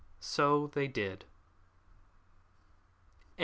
So they did so.